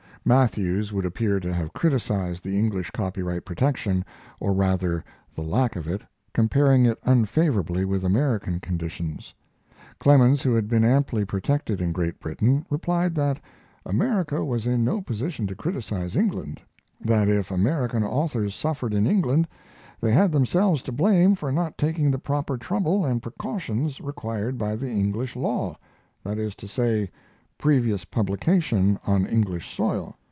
Matthews would appear to have criticized the English copyright protection, or rather the lack of it, comparing it unfavorably with American conditions. Clemens, who had been amply protected in Great Britain, replied that America was in no position to criticize England; that if American authors suffered in England they had themselves to blame for not taking the proper trouble and precautions required by the English law, that is to say, "previous publication" on English soil.